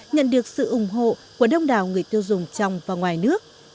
nhận được sự ủng hộ của đông đảo người tiêu dùng trong và ngoài nước